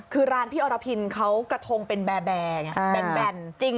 คือร้านพี่อรพินเขากระทงเป็นแบร์ไงแบนจริง